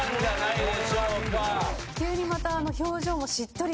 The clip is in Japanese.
急にまた。